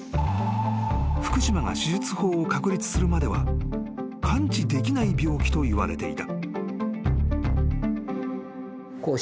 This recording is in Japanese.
［福島が手術法を確立するまでは完治できない病気といわれていた］